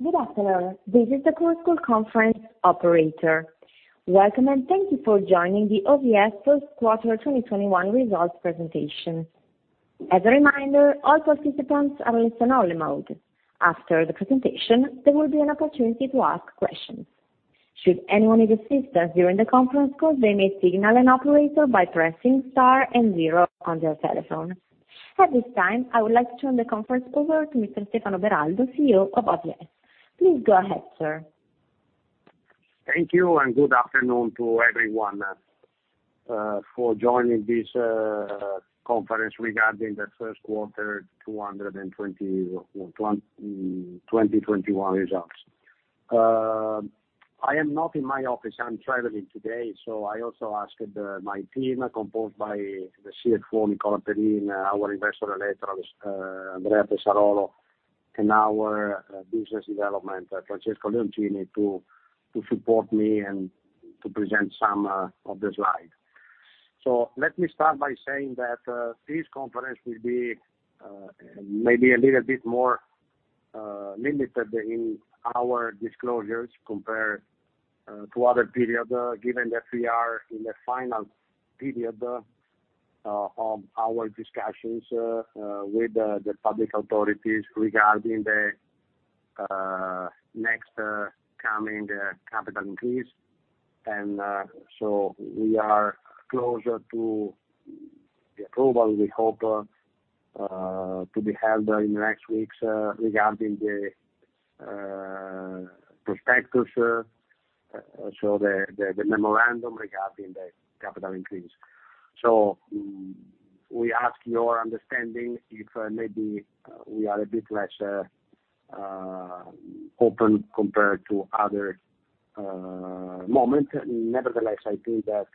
Good afternoon. This is the Chorus Call conference operator. Welcome, and thank you for joining the OVS first quarter 2021 results presentation. As a reminder, all participants are in listen only mode. After the presentation, there will be an opportunity to ask questions. Should anyone need assistance during the conference call, they may signal an operator by pressing Star and zero on their telephone. At this time, I would like to turn the conference over to Mr. Stefano Beraldo, CEO of OVS. Please go ahead, sir. Thank you, and good afternoon to everyone for joining this conference regarding the first quarter 2021 results. I am not in my office, I am traveling today, I also asked my team, composed by the CFO, Nicola Perin, our investor Andrea Tessarolo, and our business development, Francesco Leoncini, to support me and to present some of the slides. Let me start by saying that this conference will be maybe a little bit more limited in our disclosures compared to other periods, given that we are in the final period of our discussions with the public authorities regarding the next coming capital increase. We are closer to the approval we hope to be held in the next weeks regarding the prospectus, the memorandum regarding the capital increase. We ask your understanding if maybe we are a bit less open compared to other moments. Nevertheless, I think that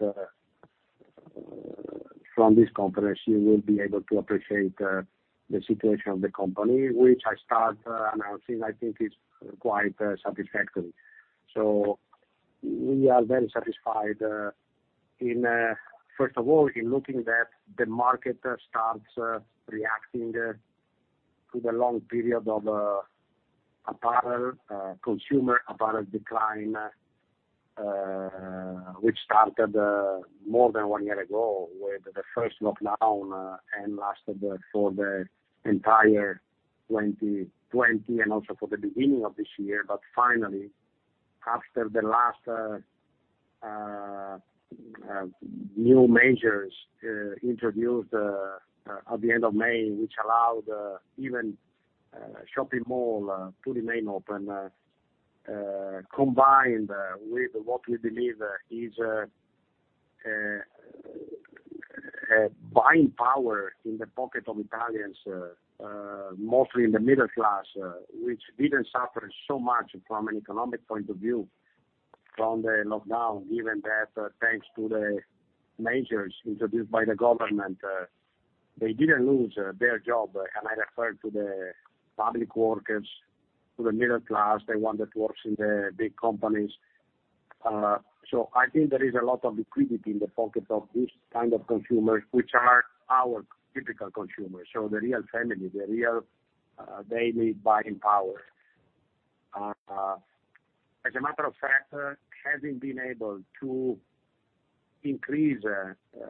from this conference you will be able to appreciate the situation of the company, which I start announcing, I think is quite satisfactory. We are very satisfied first of all, in looking that the market starts reacting to the long period of consumer apparel decline, which started more than one year ago with the first lockdown and lasted for the entire 2020 and also for the beginning of this year. Finally, after the last new measures introduced at the end of May, which allowed even shopping mall to remain open, combined with what we believe is buying power in the pocket of Italians, mostly in the middle class, which didn't suffer so much from an economic point of view from the lockdown, given that thanks to the measures introduced by the government, they didn't lose their job. I refer to the public workers, to the middle class, the one that works in the big companies. I think there is a lot of liquidity in the pocket of this kind of consumers, which are our typical consumers. The real family, the real daily buying power. As a matter of fact, having been able to increase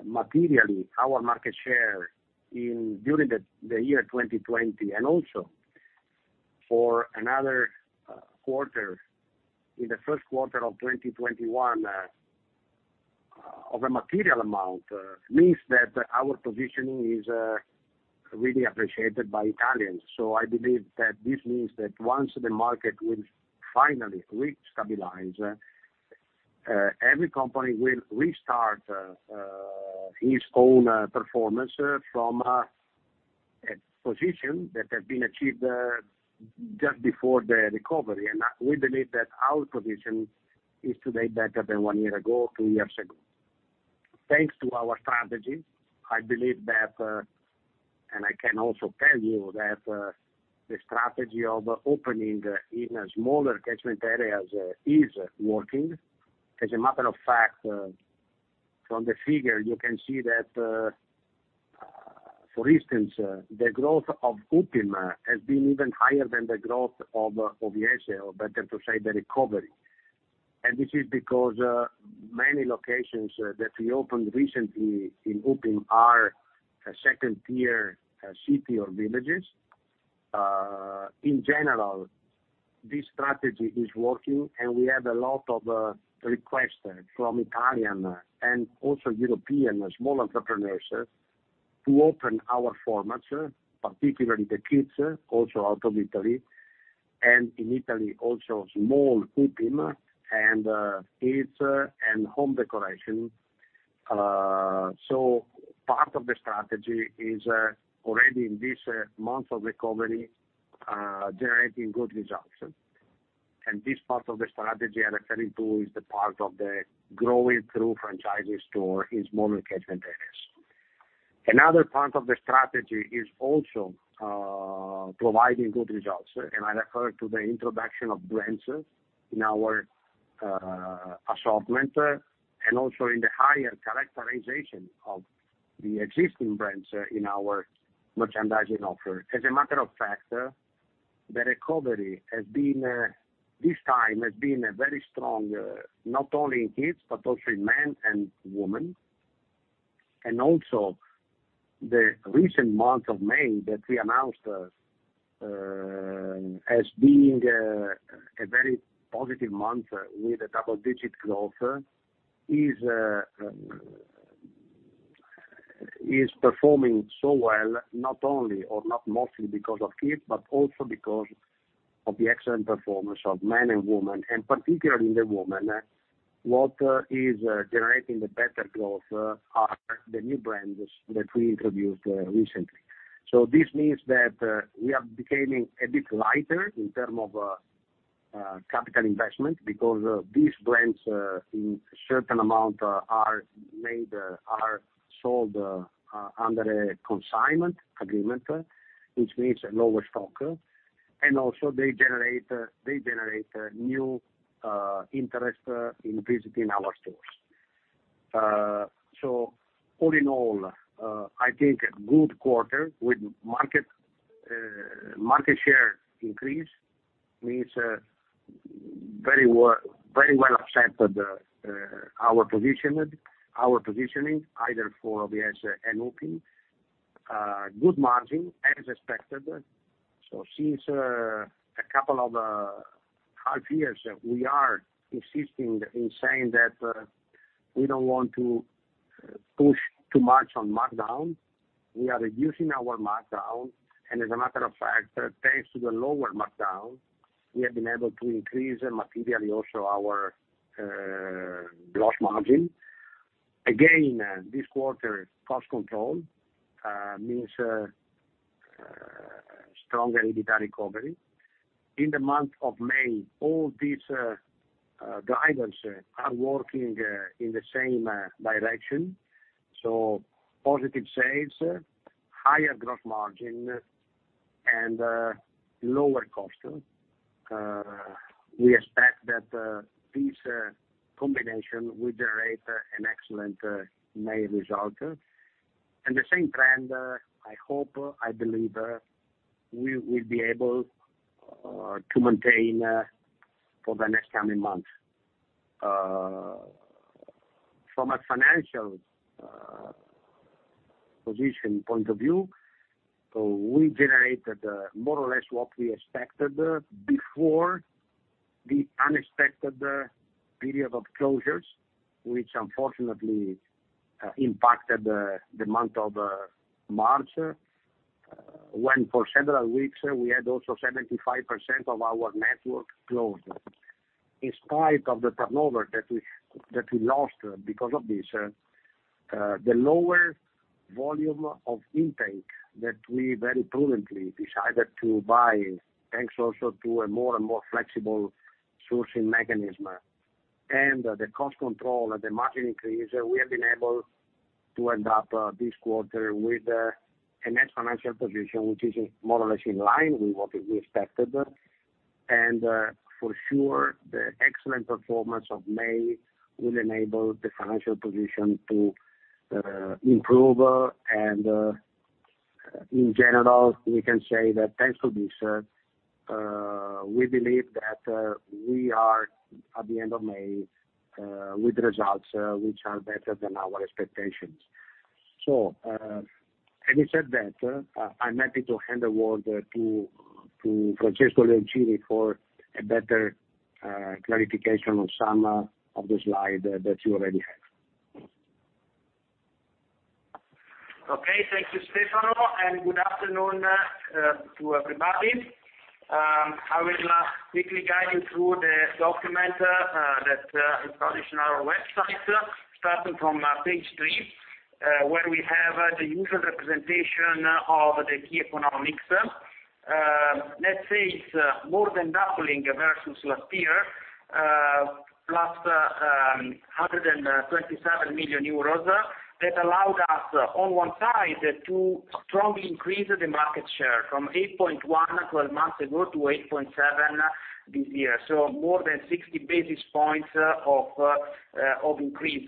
materially our market share during the year 2020 and also for another quarter in the first quarter of 2021 of a material amount, means that our positioning is really appreciated by Italians. I believe that this means that once the market will finally re-stabilize, every company will restart its own performance from a position that has been achieved just before the recovery. We believe that our position is today better than one year ago, two years ago. Thanks to our strategy, I believe that, I can also tell you that the strategy of opening in smaller catchment areas is working. As a matter of fact, from the figure, you can see that, for instance, the growth of Upim has been even higher than the growth of OVS, or better to say, the recovery. This is because many locations that we opened recently in Upim are second tier city or villages. In general, this strategy is working, and we have a lot of requests from Italian and also European small entrepreneurs to open our formats, particularly the kids, also out of Italy, and in Italy, also small Upim and kids and home decoration. Part of the strategy is already in this month of recovery, generating good results. This part of the strategy I refer to is the part of the growing through franchisee store in smaller catchment areas. Another part of the strategy is also providing good results, I refer to the introduction of brands in our assortment and also in the higher characterization of the existing brands in our merchandising offer. As a matter of fact, the recovery this time has been very strong, not only in kids but also in men and women. Also, the recent month of May that we announced as being a very positive month with a double-digit growth, is performing so well, not only or not mostly because of kids, but also because of the excellent performance of men and women, and particularly the women. What is generating the better growth are the new brands that we introduced recently. This means that we are becoming a bit lighter in terms of capital investment because these brands, in certain amount, are sold under a consignment agreement, which means lower stock. Also, they generate new interest in visiting our stores. All in all, I think a good quarter with market share increase means very well accepted, our positioning, either for OVS and Rip Curl. Good margin as expected. Since a couple of half years, we are insisting in saying that we don't want to push too much on markdown. We are reducing our markdown, as a matter of fact, thanks to the lower markdown, we have been able to increase materially also our gross margin. Again, this quarter, cost control means a strong EBITDA recovery. In the month of May, all these guidance are working in the same direction, positive sales, higher gross margin, and lower cost. We expect that this combination will generate an excellent May result. The same trend, I hope, I believe, we will be able to maintain for the next coming months. From a financial position point of view, we generated more or less what we expected before the unexpected period of closures, which unfortunately impacted the month of March, when for several weeks we had also 75% of our network closed. In spite of the turnover that we lost because of this, the lower volume of intake that we very prudently decided to buy, thanks also to a more and more flexible sourcing mechanism. The cost control, the margin increase, we have been able to end up this quarter with a net financial position, which is more or less in line with what we expected. For sure, the excellent performance of May will enable the financial position to improve. In general, we can say that thanks to this, we believe that we are at the end of May, with results which are better than our expectations. Having said that, I'm happy to hand the word to Francesco Leoncini for a better clarification on some of the slide that you already have. Okay. Thank you, Stefano, and good afternoon to everybody. I will quickly guide you through the document that is published on our website, starting from page three, where we have the usual representation of the key economics. Net sales more than doubling versus last year, plus 127 million euros. That allowed us, on one side, to strongly increase the market share from 8.1 12 months ago to 8.7 this year. More than 60 basis points of increase.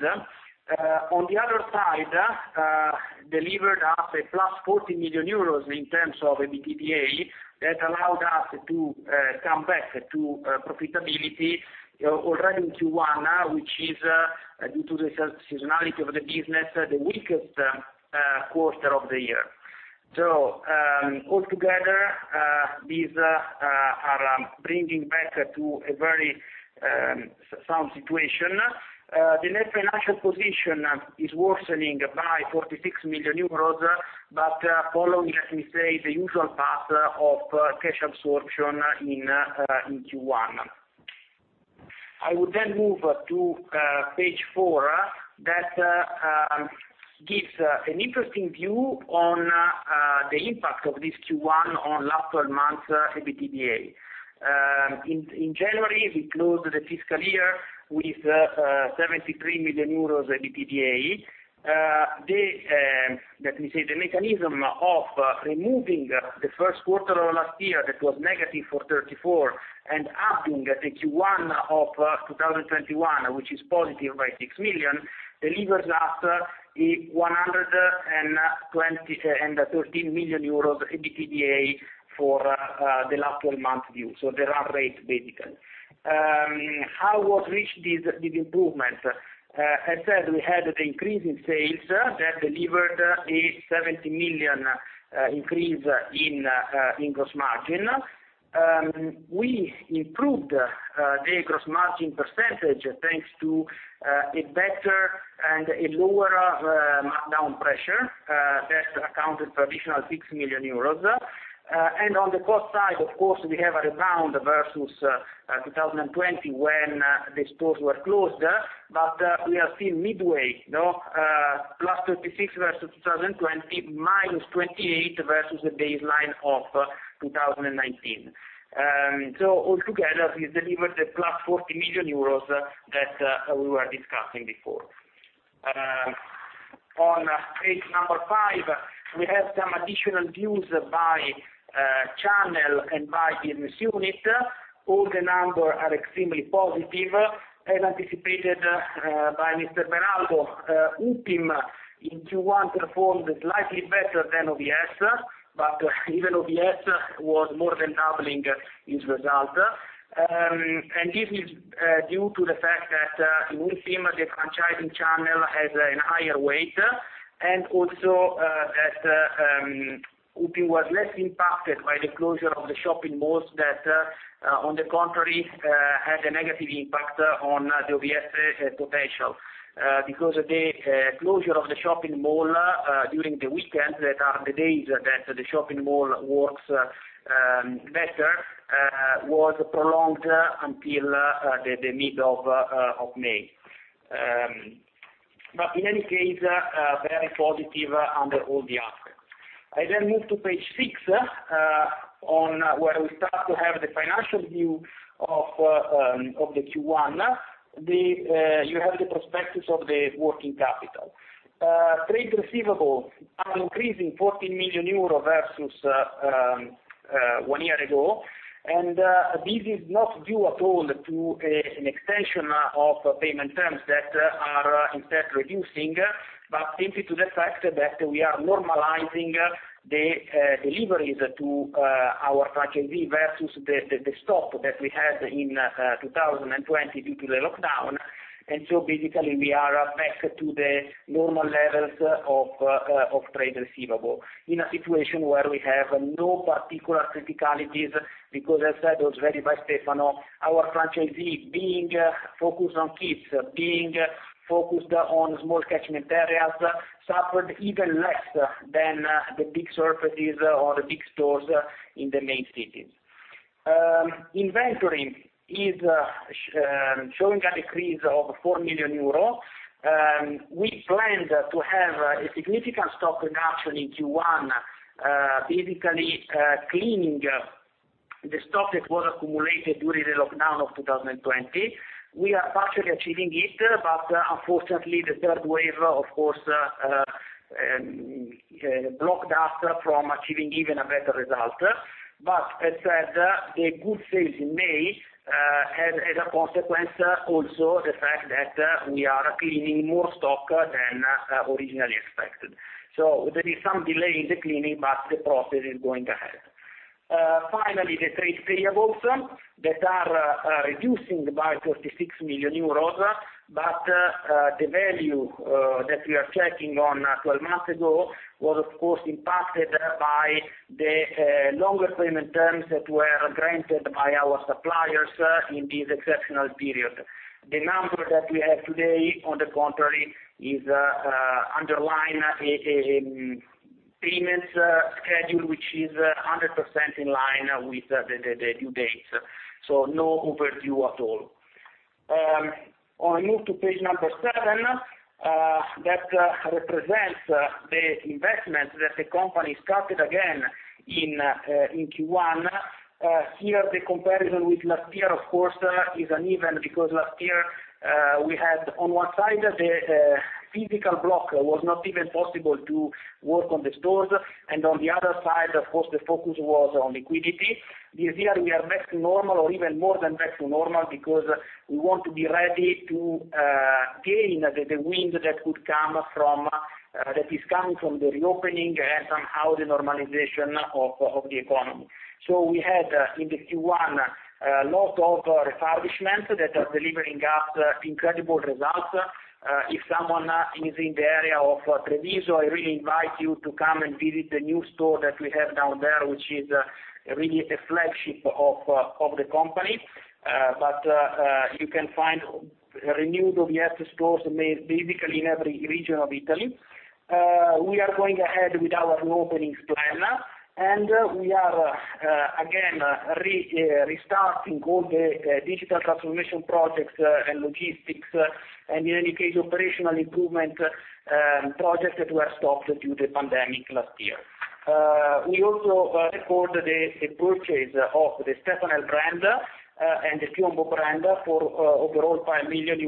On the other side, delivered us a plus 40 million euros in terms of EBITDA. That allowed us to come back to profitability already in Q1, which is due to the seasonality of the business, the weakest quarter of the year. Altogether, these are bringing back to a very sound situation. The net financial position is worsening by 46 million euros, but following, let me say, the usual path of cash absorption in Q1. I would then move to page four, that gives an interesting view on the impact of this Q1 on last 12 months EBITDA. In January, we closed the fiscal year with 73 million euros EBITDA. Let me say, the mechanism of removing the first quarter of last year, that was negative for 34, and adding the Q1 of 2021, which is positive by 6 million, delivers us 113 million euros EBITDA for the last 12-month view. The run rate, basically. How was reached this improvement? As said, we had the increase in sales that delivered a 70 million increase in gross margin. We improved the gross margin percentage thanks to a better and a lower markdown pressure that accounted for additional 6 million euros. On the cost side, of course, we have a rebound versus 2020 when the stores were closed, but we are still midway, plus 36 versus 2020, minus 28 versus the baseline of 2019. Altogether, we delivered the plus 40 million euros that we were discussing before. On page number five, we have some additional views by channel and by business unit. All the numbers are extremely positive. As anticipated by Mr. Beraldo, Upim in Q1 performed slightly better than OVS, but even OVS was more than doubling its result. This is due to the fact that in Upim, the franchising channel has a higher weight, and also that Upim was less impacted by the closure of the shopping malls that on the contrary, had a negative impact on the OVS potential. The closure of the shopping mall during the weekend, that are the days that the shopping mall works better, was prolonged until the mid of May. In any case, very positive under all the aspects. I move to page 6, where we start to have the financial view of Q1. You have the prospectus of the working capital. Trade receivables are increasing 14 million versus one year ago. This is not due at all to an extension of payment terms that are instead reducing, but simply to the fact that we are normalizing the deliveries to our franchisee versus the stop that we had in 2020 due to the lockdown. Basically, we are back to the normal levels of trade receivable, in a situation where we have no particular criticalities because as said also very by Stefano, our franchisee, being focused on kids, being focused on small catchment areas, suffered even less than the big surfaces or the big stores in the main cities. Inventory is showing a decrease of 4 million euros. We planned to have a significant stock reduction in Q1, basically cleaning the stock that was accumulated during the lockdown of 2020. We are partially achieving it, unfortunately the third wave, of course, blocked us from achieving even a better result. As said, the good sales in May had as a consequence, also the fact that we are cleaning more stock than originally expected. There is some delay in the cleaning, but the process is going ahead. Finally, the trade payables that are reducing by 36 million euros, but the value that we are checking on 12 months ago was of course impacted by the longer payment terms that were granted by our suppliers in this exceptional period. The number that we have today, on the contrary, is underlying a payment schedule which is 100% in line with the due dates, so no overdue at all. I move to page number 7, that represents the investment that the company started again in Q1. Here the comparison with last year, of course, is uneven because last year we had, on one side, the physical block. It was not even possible to work on the stores. On the other side, of course, the focus was on liquidity. This year we are back to normal or even more than back to normal because we want to be ready to gain the wind that is coming from the reopening and somehow the normalization of the economy. We had in Q1, a lot of refurbishments that are delivering us incredible results. If someone is in the area of Treviso, I really invite you to come and visit the new store that we have down there, which is really a flagship of the company. You can find renewed OVS stores basically in every region of Italy. We are going ahead with our new openings plan, and we are again restarting all the digital transformation projects and logistics, and in any case, operational improvement projects that were stopped due to pandemic last year. We also recorded a purchase of the Stefanel brand, the Stefanel brand for overall EUR 5 million.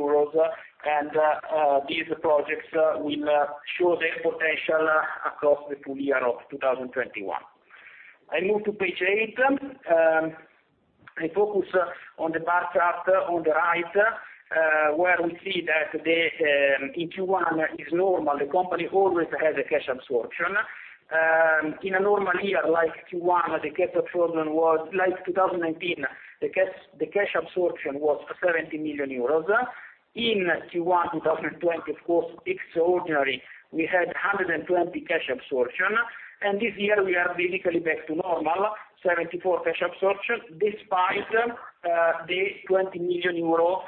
These projects will show their potential across the full year of 2021. I move to page eight. I focus on the bar chart on the right, where we see that in Q1 is normal. The company always has a cash absorption. In a normal year like Q1, the cash absorption was like 2019, the cash absorption was 70 million euros. In Q1 2020, of course, extraordinary, we had 120 million cash absorption, and this year we are basically back to normal, 74 million cash absorption, despite the 20 million euro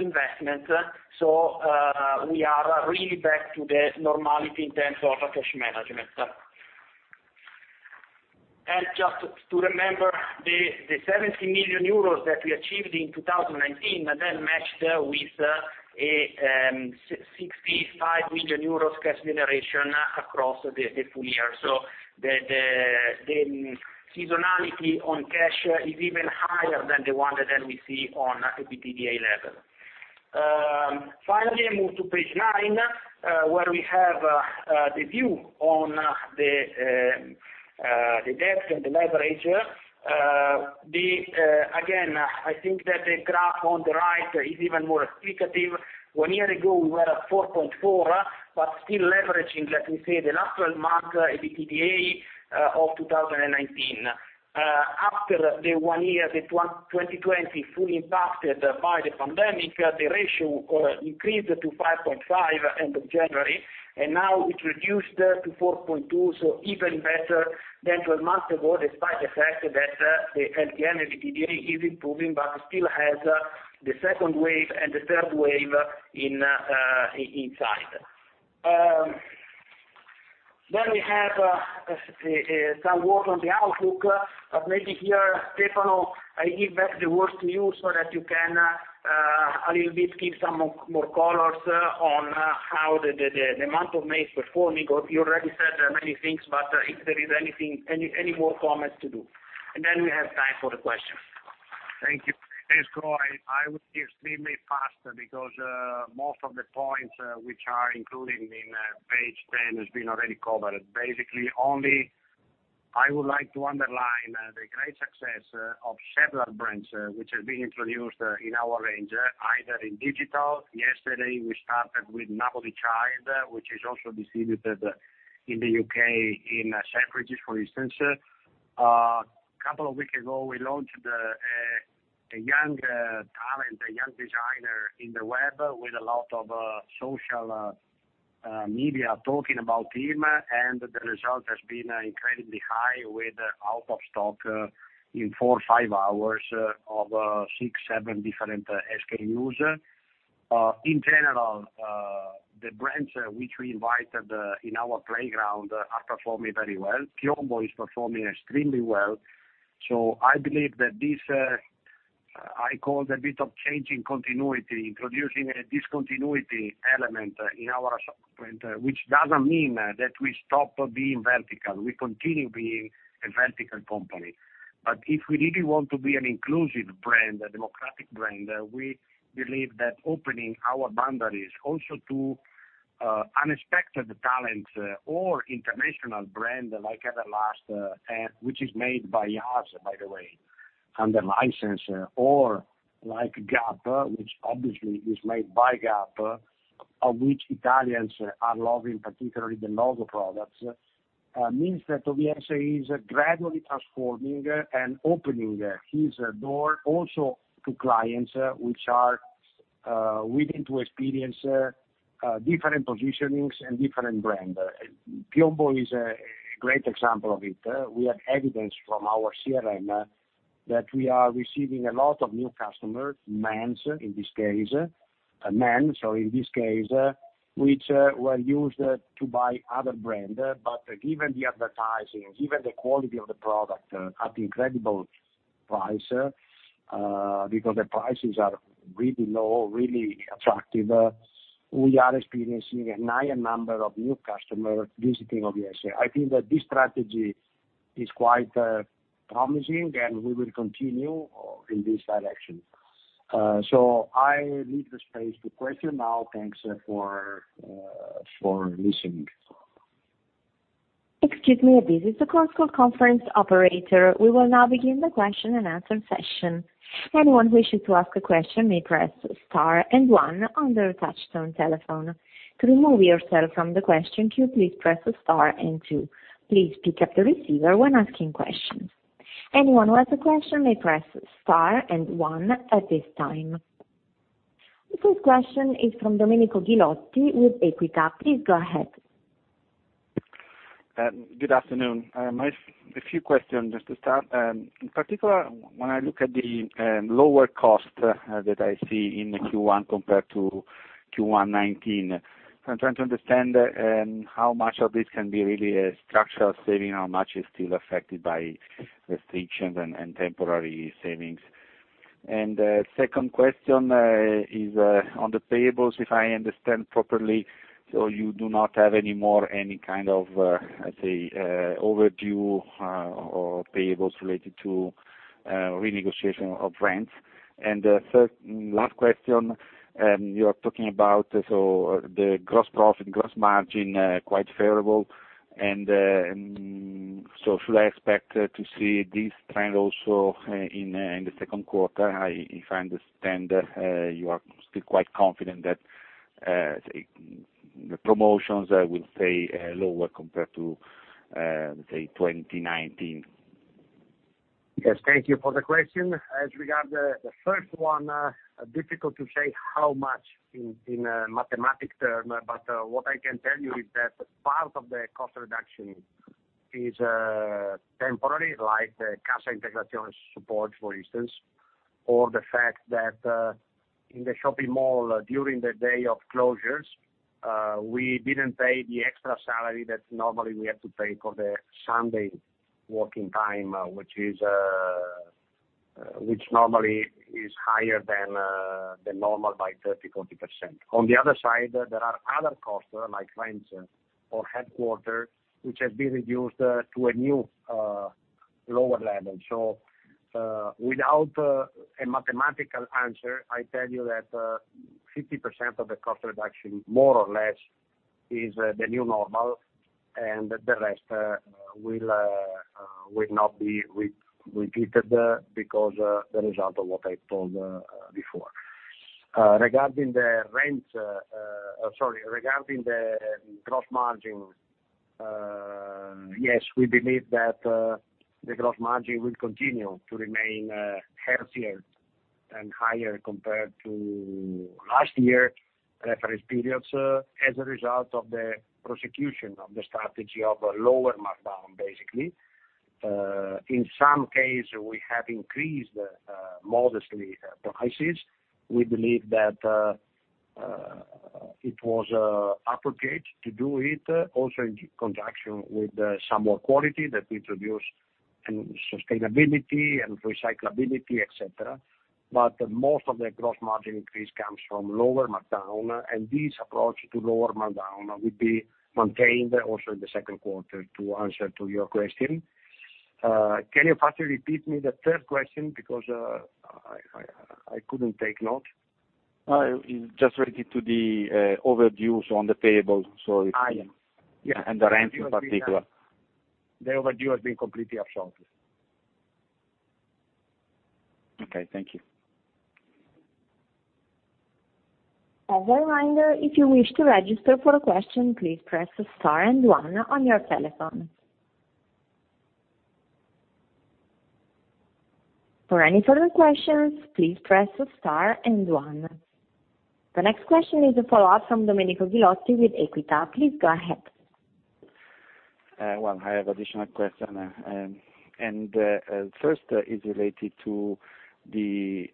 investment. We are really back to the normality in terms of cash management. Just to remember, the 70 million euros that we achieved in 2019, that matched with a 65 million euros cash generation across the full year. The seasonality on cash is even higher than the one that we see on EBITDA level. Finally, I move to page nine, where we have the view on the debt and the leverage. Again, I think that the graph on the right is even more explicative. One year ago, we were at 4.4, but still leveraging, let me say, the natural mark EBITDA of 2019. After the one year, the 2020 fully impacted by the pandemic, the ratio increased to 5.5 end of January, and now it reduced to 4.2, even better than 12 months ago, despite the fact that the LTM EBITDA is improving but still has the second wave and the third wave inside. We have some work on the outlook. Maybe here, Stefano, I give back the worst news so that you can a little bit give some more colors on how the month of May is performing. You already said many things, but if there is any more comments to do. We have time for the questions. Thank you. Thanks, Francesco. I will be extremely fast because most of the points which are included in page 10 has been already covered. Only I would like to underline the great success of several brands which have been introduced in our range, either in digital. Yesterday, we started with Napoli Child, which is also distributed in the U.K., in Selfridges, for instance. A couple of weeks ago, we launched a young talent, a young designer in the web with a lot of social media talking about him, and the result has been incredibly high with out of stock in four, five hours of six, seven different SKUs. In general, the brands which we invited in our playground are performing very well. PIOMBO is performing extremely well. I believe that this, I call it a bit of change in continuity, introducing a discontinuity element in our shop front, which doesn't mean that we stop being vertical. We continue being a vertical company. If we really want to be an inclusive brand, a democratic brand, we believe that opening our boundaries also to unexpected talent or international brand, like Everlast, which is made by us, by the way, under license, or like Gap, which obviously is made by Gap, of which Italians are loving, particularly the logo products, means that OVS is gradually transforming and opening his door also to clients which are willing to experience different positionings and different brand. PIOMBO is a great example of it. We have evidence from our CRM that we are receiving a lot of new customers, men in this case, which were used to buy other brand. Given the advertising, given the quality of the product at incredible price, because the prices are really low, really attractive, we are experiencing a higher number of new customers visiting OVS. I think that this strategy is quite promising, and we will continue in this direction. I leave the space to question now. Thanks for listening. Excuse me, this is the Chorus Call conference operator. We will now begin the question and answer session. Anyone wishing to ask a question may press star and one on their touchtone telephone. To remove yourself from the question queue, please press star and two. Please pick up the receiver when asking questions. Anyone who has a question may press star and one at this time. The first question is from Domenico Ghilotti with Equita. Please go ahead. Good afternoon. A few questions just to start. In particular, when I look at the lower cost that I see in Q1 compared to Q1 2019, I'm trying to understand how much of this can be really a structural saving, how much is still affected by restrictions and temporary savings. Second question is on the payables, if I understand properly, you do not have any more any kind of, let's say, overdue or payables related to renegotiation of rents. Last question, you are talking about the gross profit, gross margin, quite favorable. Should I expect to see this trend also in the second quarter? If I understand, you are still quite confident that the promotions will stay lower compared to, let's say, 2019. Yes. Thank you for the question. As regards the first one, difficult to say how much in mathematical term, but what I can tell you is that part of the cost reduction is temporary, like the Cassa Integrazione support, for instance, or the fact that in the shopping mall, during the day of closures, we didn't pay the extra salary that normally we have to pay for the Sunday working time, which normally is higher than normal by 30%-40%. On the other side, there are other costs, like rents or headquarters, which have been reduced to a new, lower level. Without a mathematical answer, I tell you that 50% of the cost reduction, more or less, is the new normal, and the rest will not be repeated because the result of what I told before. Regarding the gross margin, yes, we believe that the gross margin will continue to remain healthier and higher compared to last year's reference periods as a result of the pursuit of the strategy of lower markdown, basically. In some cases, we have increased modestly prices. We believe that it was appropriate to do it, also in conjunction with some more quality that we introduced in sustainability and recyclability, et cetera. Most of the gross margin increase comes from lower markdown. This approach to lower markdown will be maintained also in the second quarter, to answer to your question. Can you kindly repeat me the third question, because I couldn't take note? Just related to the overdues on the payable. Sorry. Yes. The rents in particular. The overdue has been completely absorbed. Okay. Thank you. As a reminder, if you wish to register for a question, please press star and one on your telephone. For any further questions, please press star and one. The next question is a follow-up from Domenico Ghilotti with Equita. Please go ahead. Well, I have additional question. First is related to the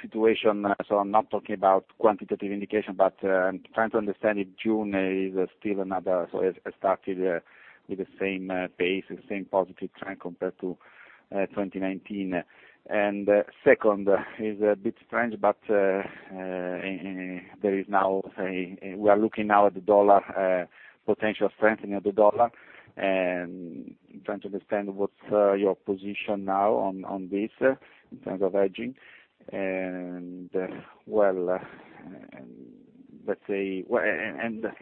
situation. I'm not talking about quantitative indication, but I'm trying to understand if June is still another. It started with the same pace and same positive trend compared to 2019. Second is a bit strange, but we are looking now at the potential strengthening of the dollar and trying to understand what's your position now on this in terms of hedging. The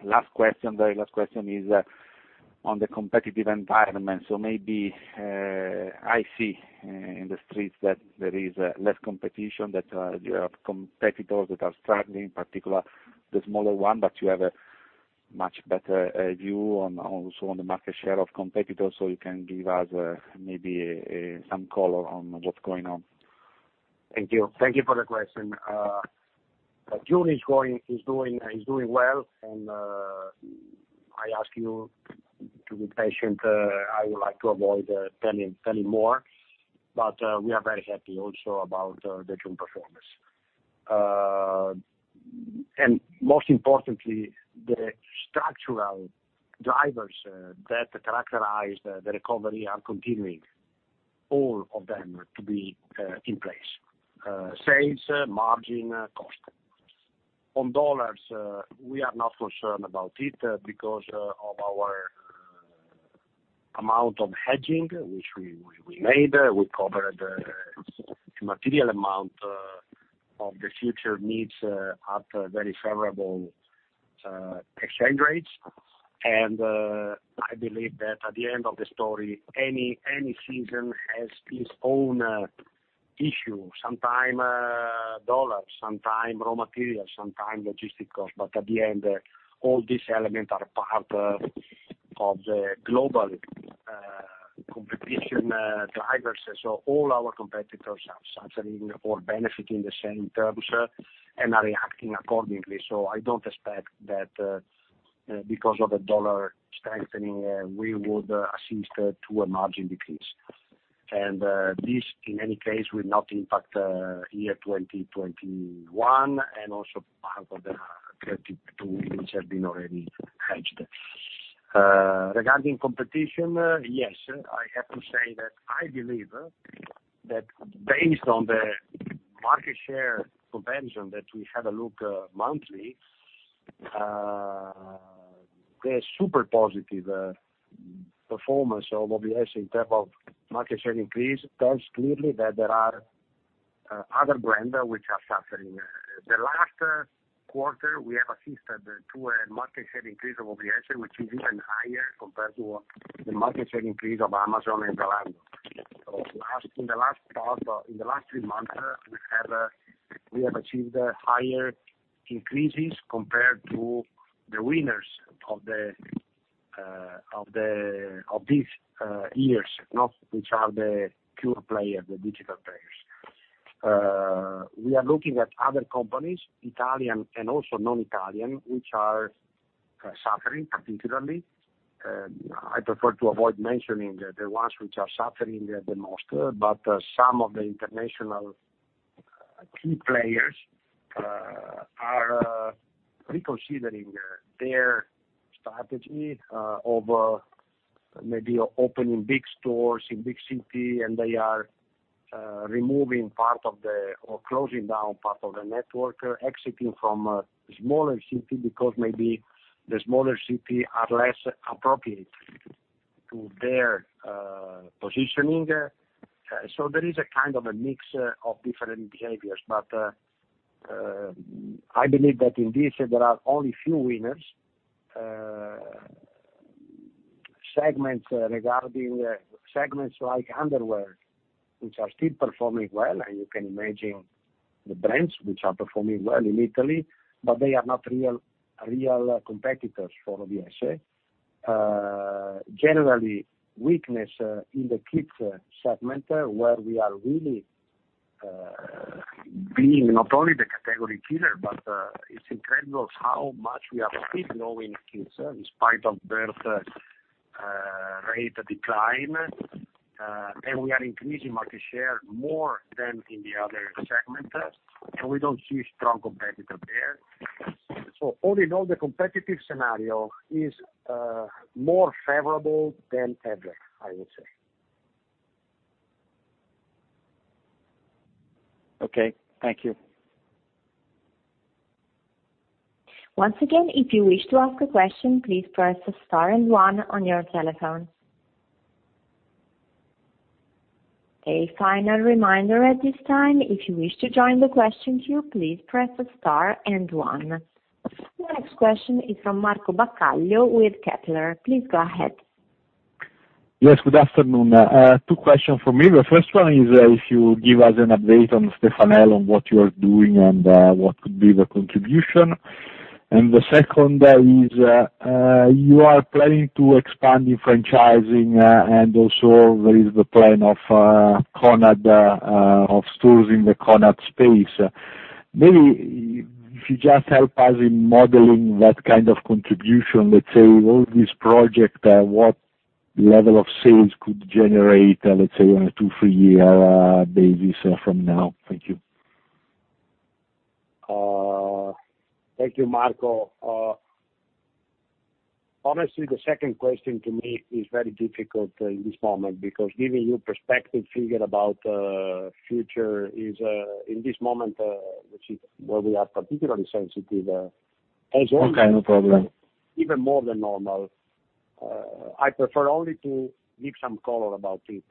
last question is on the competitive environment. Maybe I see in the streets that there is less competition, that you have competitors that are struggling, particular the smaller one, but you have a much better view also on the market share of competitors. You can give us maybe some color on what's going on. Thank you. Thank you for the question. June is doing well. I ask you to be patient. I would like to avoid telling more. We are very happy also about the June performance. Most importantly, the structural drivers that characterize the recovery are continuing, all of them, to be in place: sales, margin, cost. On dollars, we are not concerned about it because of our amount of hedging, which we made. We covered a material amount of the future needs at very favorable exchange rates. I believe that at the end of the story, any season has its own issue. Sometimes dollar, sometimes raw material, sometimes logistic cost. At the end, all these elements are part of the global competition drivers. All our competitors are suffering or benefiting the same terms and are reacting accordingly. I don't expect that because of the dollar strengthening, we would assist to a margin decrease. This, in any case, will not impact year 2021 and also part of 2022, which have been already hedged. Regarding competition, yes, I have to say that I believe that based on the market share observation that we have a look monthly, the super positive performance of OVS in terms of market share increase tells clearly that there are other brands which are suffering. The last quarter, we have assisted to a market share increase of OVS, which is even higher compared to the market share increase of Amazon and Zalando. In the last three months, we have achieved higher increases compared to the winners of these years, which are the pure players, the digital players. We are looking at other companies, Italian and also non-Italian, which are suffering particularly. I prefer to avoid mentioning the ones which are suffering the most. Some of the international key players are reconsidering their strategy of maybe opening big stores in big city, and they are removing part of the, or closing down part of the network, exiting from smaller city because maybe the smaller city are less appropriate to their positioning. There is a kind of a mix of different behaviors. I believe that in this there are only few winners. Segments like underwear, which are still performing well. You can imagine the brands which are performing well in Italy, but they are not real competitors for OVS. Generally, weakness in the kids segment, where we are really being not only the category killer, but it is incredible how much we are still growing kids in spite of birth rate decline. We are increasing market share more than in the other segment, and we don't see strong competitor there. All in all, the competitive scenario is more favorable than ever, I would say. Okay. Thank you. Once again, if you wish to ask a question, please press star and one on your telephone. A final reminder at this time, if you wish to join the question queue, please press star and one. The next question is from Marco Baccaglio with Kepler. Please go ahead. Yes, good afternoon. Two questions from me. The first one is, if you give us an update on Stefanel, on what you are doing and what could be the contribution. The second is, you are planning to expand in franchising, and also there is the plan of Conad of stores in the Conad space. Maybe if you just help us in modeling what kind of contribution, let's say, all this project, what level of sales could generate, let's say, on a two, three-year basis from now. Thank you. Thank you, Marco. Honestly, the second question to me is very difficult in this moment, because giving you perspective figure about future is, in this moment, where we are particularly sensitive as always. Okay, no problem even more than normal. I prefer only to give some color about it.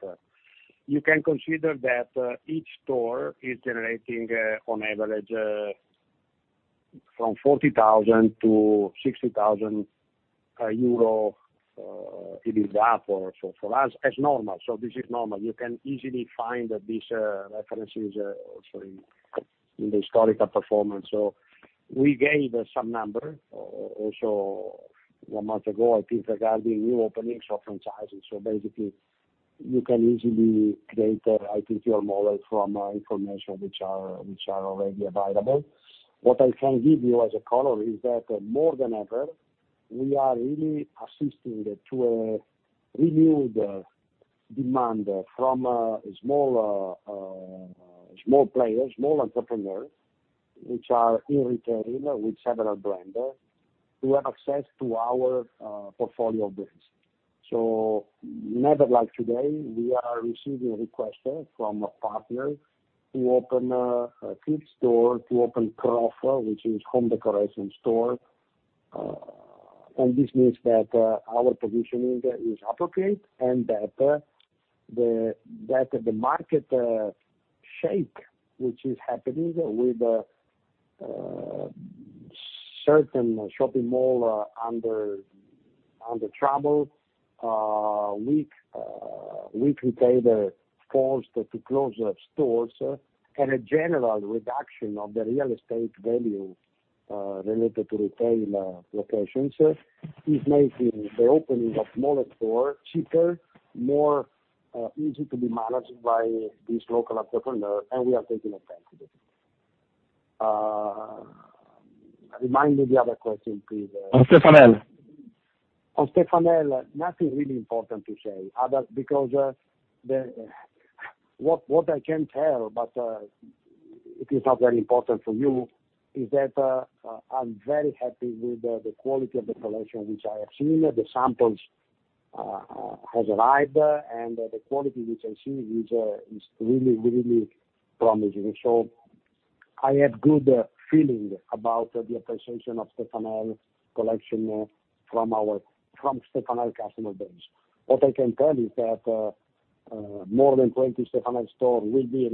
You can consider that each store is generating on average from EUR 40,000 to EUR 60,000 EBITDA, for us, as normal. This is normal. You can easily find these references also in the historical performance. We gave some number also one month ago, I think, regarding new openings or franchising. Basically, you can easily create, I think, your model from information which are already available. What I can give you as a color is that more than ever, we are really assisting to a renewed demand from small players, small entrepreneurs, which are in retail with several brands, who have access to our portfolio of brands. Never like today, we are receiving requests from partners to open a kids store, to open CROFF, which is home decoration store. This means that our positioning is appropriate and that the market shake, which is happening with certain shopping mall under trouble, weak retailer forced to close stores, and a general reduction of the real estate value, related to retail locations, is making the opening of smaller store cheaper, more easy to be managed by these local entrepreneurs, and we are taking advantage of it. Remind me the other question, please. On Stefanel. On Stefanel, nothing really important to say. What I can tell, but it is not very important for you, is that I'm very happy with the quality of the collection, which I have seen. The samples has arrived, and the quality which I've seen is really promising. I have good feeling about the appreciation of Stefanel collection from Stefanel customer base. What I can tell you is that more than 20 Stefanel store will be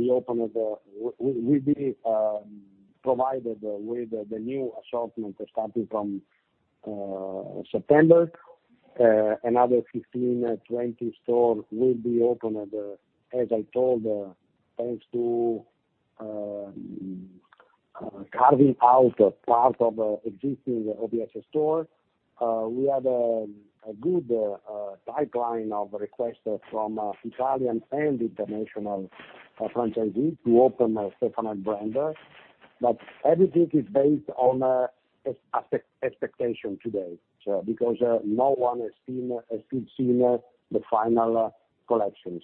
provided with the new assortment starting from September. Another 15, 20 stores will be opened, as I told, thanks to carving out part of existing OVS store. We have a good pipeline of requests from Italian and international franchisees to open a Stefanel brand. Everything is based on expectation today, because no one has still seen the final collection.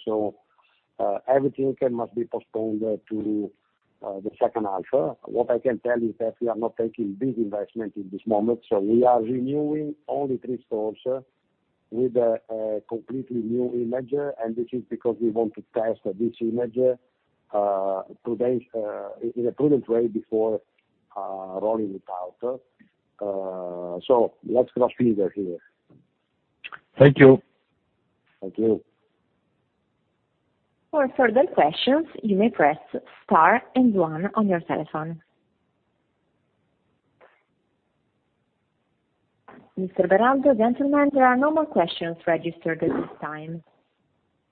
Everything must be postponed to the second half. What I can tell you is that we are not taking big investment in this moment, we are renewing only three stores with a completely new image, and this is because we want to test this image in a prudent way before rolling it out. Let's cross fingers here. Thank you. Thank you. For further questions, you may press Star and one on your telephone. Mr. Beraldo, gentlemen, there are no more questions registered at this time.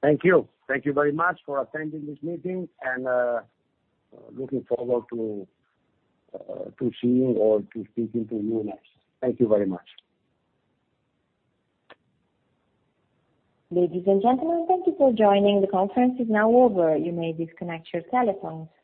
Thank you. Thank you very much for attending this meeting, looking forward to seeing or to speaking to you next. Thank you very much. Ladies and gentlemen, thank you for joining. The conference is now over. You may disconnect your telephones.